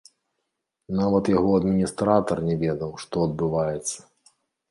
Нават яго адміністратар не ведаў, што адбываецца!